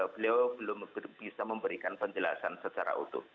beliau belum bisa memberikan penjelasan secara utuh